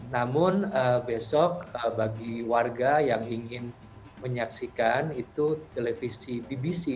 namun besok bagi warga yang ingin menyaksikan itu televisi bbc